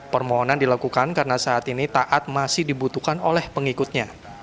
permohonan dilakukan karena saat ini taat masih dibutuhkan oleh pengikutnya